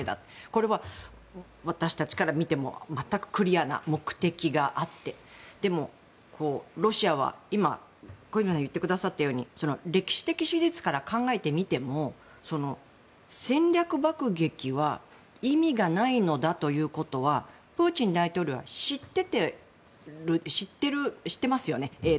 これは私たちから見ても全くクリアな目的があってでも、ロシアは小泉さんが言ってくださったように歴史的史実から考えてみても戦略爆撃は意味がないのだということはプーチン大統領は知ってますよね。